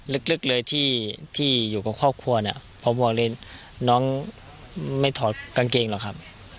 ลึกเลยที่อยู่กับครอบครัวเนี่ยพอบอกเลยน้องไม่ถอดกางเกงหรอกครับ